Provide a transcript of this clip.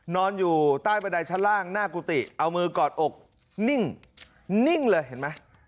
นอนอยู่ใต้บันไดชั้นล่างหน้ากุฏิเอามือกอดอกนิ่งนิ่งเลยเห็นไหม